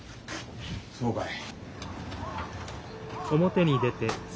そうかい。